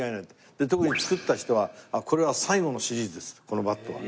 特に作った人は「これは最後のシリーズですこのバットは」